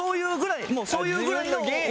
そういうくらいの。